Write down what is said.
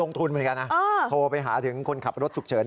ทุนเหมือนกันนะโทรไปหาถึงคนขับรถฉุกเฉิน